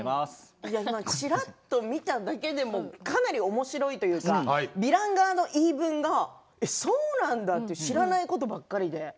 ちらっと見ただけでもかなりおもしろいというかヴィラン側の言い分そうなんだって知らないことばっかりで。